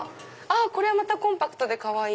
これコンパクトでかわいい！